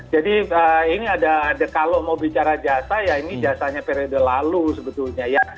jadi ini ada kalau mau bicara jasa ya ini jasanya periode lalu sebetulnya ya